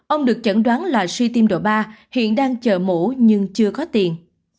ông được chẩn đoán là suy tim độ ba hiện đang chờ mổ nhưng chưa có tiền